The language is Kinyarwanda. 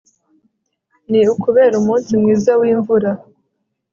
Ni ukubera umunsi mwiza wimvura